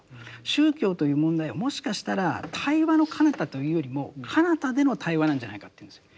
宗教という問題はもしかしたら対話のかなたというよりもかなたでの対話なんじゃないかって言うんですよ。